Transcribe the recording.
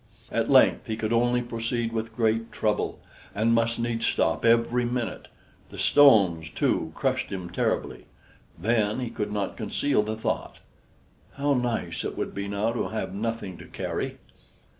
At length he could only proceed with great trouble and must needs stop every minute; the stones, too, crushed him terribly. Then he could not conceal the thought: "How nice it would be now to have nothing to carry!"